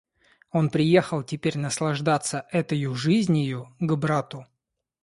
Он приехал теперь наслаждаться этою жизнию к брату.